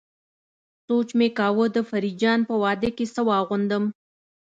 سوچ مې کاوه د فريد جان په واده کې څه واغوندم.